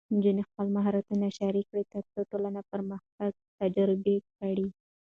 نجونې خپل مهارت شریک کړي، ترڅو ټولنه پرمختګ تجربه کړي.